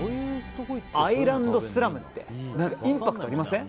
アイランドスラムってインパクトありません？